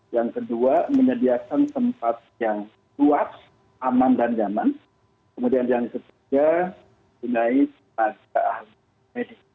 yang kedua menyediakan tempat yang luas aman dan nyaman kemudian yang ketiga gunai tenaga ahli medis